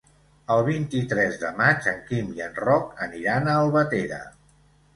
El vint-i-tres de maig en Quim i en Roc aniran a Albatera.